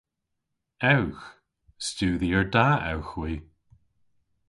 Ewgh. Studhyer da ewgh hwi.